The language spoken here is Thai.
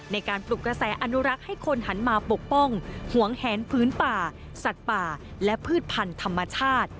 ในการปลุกกระแสอนุรักษ์ให้คนหันมาปกป้องหวงแหนพื้นป่าสัตว์ป่าและพืชพันธุ์ธรรมชาติ